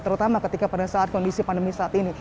terutama ketika pada saat kondisi pandemi saat ini